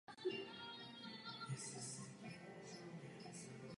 V lednu následujícího roku byl v předčasných parlamentních volbách zvolen poslancem Knesetu.